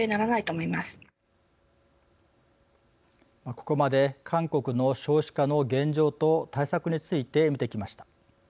ここまで韓国の少子化の現状と対策について見てきました。